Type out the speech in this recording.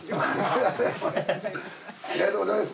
ありがとうございます。